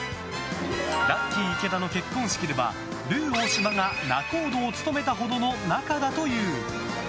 ラッキィ池田の結婚式ではルー大柴が仲人を務めたほどの仲だという。